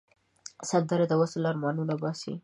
سندره د وصل آرمانونه باسي